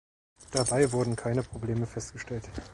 Dabei wurden keine Probleme festgestellt.